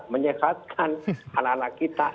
menyehatkan anak anak kita